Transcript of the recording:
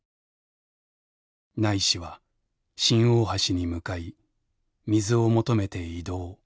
ないしは新大橋に向かい水を求めて移動。